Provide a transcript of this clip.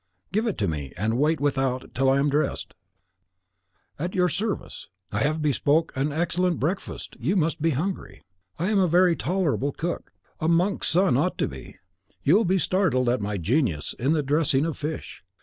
"Give it me, and wait without till I am dressed." "At your service. I have bespoke an excellent breakfast: you must be hungry. I am a very tolerable cook; a monk's son ought to be! You will be startled at my genius in the dressing of fish.